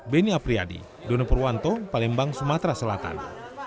beni apriyadi dono purwanto palembang sumatera selatan